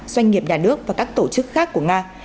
doanh nghiệp nhà nước và các tổ chức khác của nga